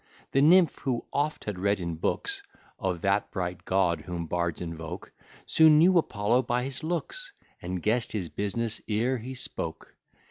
The nymph, who oft had read in books Of that bright god whom bards invoke, Soon knew Apollo by his looks, And guess'd his business ere he spoke.